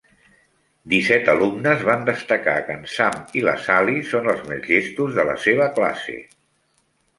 Disset alumnes van destacar que en Sam i la Sally són els més llestos de la seva classe.